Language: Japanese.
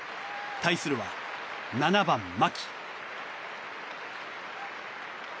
対するは７番、牧。